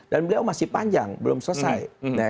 dan beliau masih panjang belum selesai